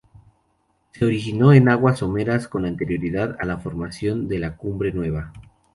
Se originó en aguas someras con anterioridad a la formación de la Cumbre Nueva.